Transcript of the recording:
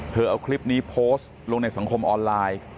เอาคลิปนี้โพสต์ลงในสังคมออนไลน์